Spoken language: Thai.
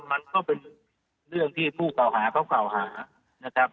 มันก็เป็นเรื่องที่ผู้เก่าหาเขากล่าวหานะครับ